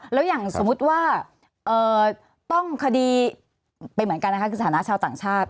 แล้วอย่างสมมุติว่าต้องคดีไปเหมือนกันนะคะคือสถานะชาวต่างชาติ